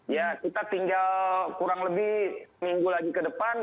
ya kita tinggal kurang lebih minggu lagi ke depan